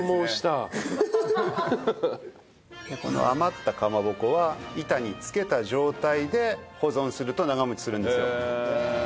余ったかまぼこは板に付けた状態で保存すると長持ちするんですよ。